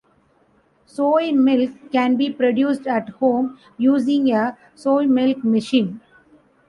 Soy milk can be produced at home using a soy milk machine.